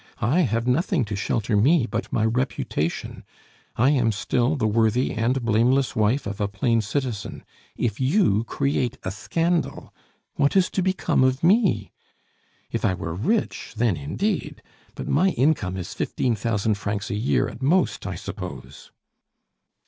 I have nothing to shelter me but my reputation; I am still the worthy and blameless wife of a plain citizen; if you create a scandal, what is to become of me? If I were rich, then indeed; but my income is fifteen thousand francs a year at most, I suppose."